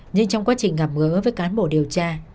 nhưng trong quá trình gặp gỡ với cán bộ điều tra